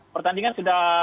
pertandingan sudah berakhir